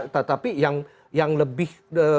tetapi yang lebih